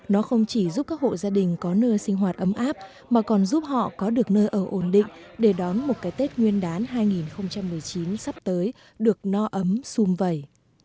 nó không chỉ giúp các hộ gia đình có nơi sinh hoạt ấm áp mà còn giúp họ có được nơi ở ổn định để đón một cái tết nguyên đán hai nghìn một mươi chín sắp tới được no ấm xung vầy